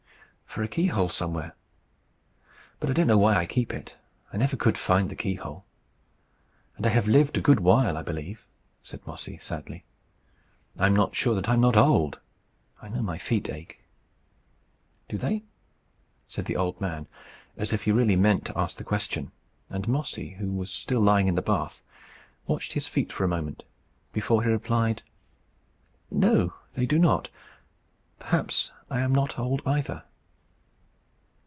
"For a key hole somewhere. But I don't know why I keep it. I never could find the key hole. And I have lived a good while, I believe," said Mossy, sadly. "I'm not sure that I'm not old. I know my feet ache." "Do they?" said the old man, as if he really meant to ask the question; and Mossy, who was still lying in the bath, watched his feet for a moment before he replied, "No, they do not. Perhaps I am not old either."